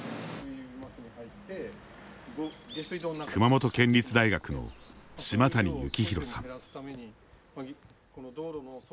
熊本県立大学の島谷幸宏さん。